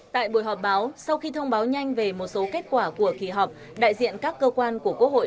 tại buổi họp báo sau khi thông báo nhanh về một số kết quả của kỳ họp đại diện các cơ quan của quốc hội